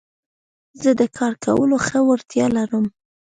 زه د کار کولو ښه وړتيا لرم.